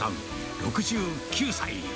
６９歳。